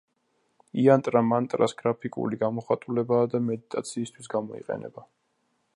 იანტრა მანტრას გრაფიკული გამოხატულებაა და მედიტაციისთვის გამოიყენება.